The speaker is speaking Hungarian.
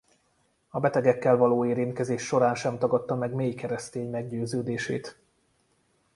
A betegekkel való érintkezés során sem tagadta meg mély keresztény meggyőződését.